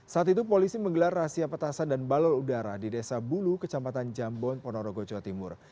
saat itu polisi menggelar rahasia petasan dan balon udara di desa bulu kecamatan jambon ponorogo jawa timur